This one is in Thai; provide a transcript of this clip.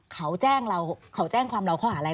เขาแจ้งเราเขาแจ้งความเราข้อหาอะไร